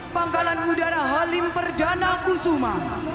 pangkalan udara halim perdana kusuma